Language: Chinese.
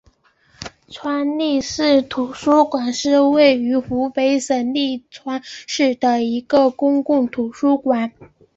利川市图书馆是位于湖北省利川市的一家公共图书馆。